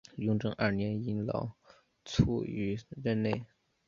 雍正二年因劳卒于任内。